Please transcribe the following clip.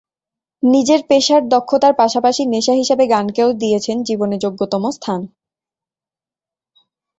নিজের পেশায় দক্ষতার পাশাপাশি নেশা হিসেবে গানকেও দিয়েছেন জীবনে যোগ্যতম স্থান।